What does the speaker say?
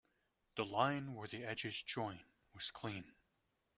The line where the edges join was clean.